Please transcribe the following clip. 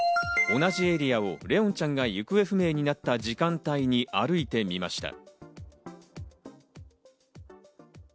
同じエリアを怜音ちゃんが行方不明になった時間帯に歩いてみました。